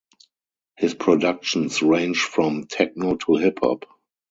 His productions range from techno to hip hop.